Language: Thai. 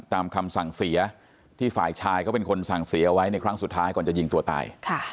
คำสั่งเสียที่ฝ่ายชายเขาเป็นคนสั่งเสียเอาไว้ในครั้งสุดท้ายก่อนจะยิงตัวตาย